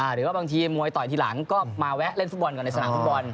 หรือว่าบางทีมวยต่อยทีหลังก็มาแวะเล่นฟุตบอลกันในสนามฟุตบอล